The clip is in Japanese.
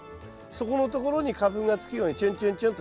そこのところに花粉がつくようにちゅんちゅんちゅんとします。